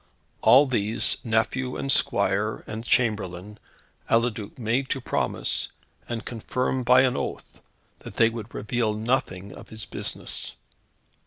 All these, nephew and squire and chamberlain, Eliduc made to promise, and confirm by an oath, that they would reveal nothing of his business.